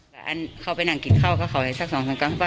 ว่านี้ยังมันวากซะไหมครับ